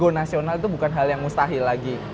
go nasional itu bukan hal yang mustahil lagi